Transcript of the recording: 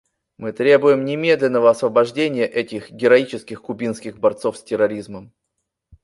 Мы требуем немедленного освобождения этих героических кубинских борцов с терроризмом.